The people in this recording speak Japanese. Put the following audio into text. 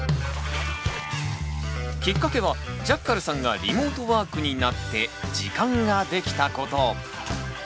きっかけはジャッカルさんがリモートワークになって時間ができたこと。